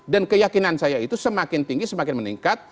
dan keyakinan saya itu semakin tinggi semakin meningkat